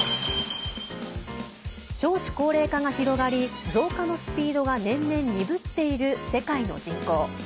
少子高齢化が広がり増加のスピードが年々鈍っている世界の人口。